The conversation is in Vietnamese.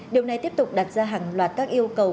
điều này tiếp tục đặt ra hàng loạt các yêu cầu